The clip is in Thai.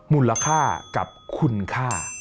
มูลค่ากับคุณค่า